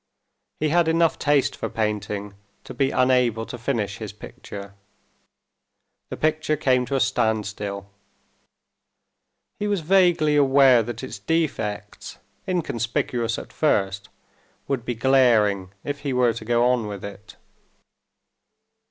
He had enough taste for painting to be unable to finish his picture. The picture came to a standstill. He was vaguely aware that its defects, inconspicuous at first, would be glaring if he were to go on with it.